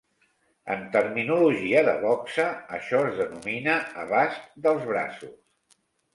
En terminologia de boxa, això es denomina "abast dels braços".